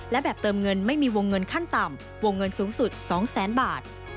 และแบบเติมเงินไม่มีวงเงินขั้นต่ำวงเงินสูงสุด๒แสนบาท